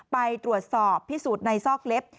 ไปตรวจสอบพิสูจน์ในซอกเล็บ